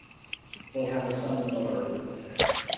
They have a son and daughter.